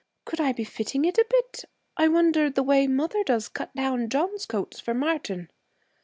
'Could I be fitting it a bit, I wonder, the way mother does cut down John's coats for Martin?'